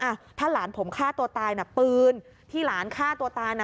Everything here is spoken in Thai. อ่ะถ้าหลานผมฆ่าตัวตายน่ะปืนที่หลานฆ่าตัวตายน่ะ